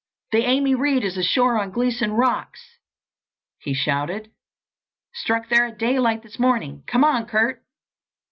"The Amy Reade is ashore on Gleeson's rocks!" he shouted. "Struck there at daylight this morning! Come on, Curt!"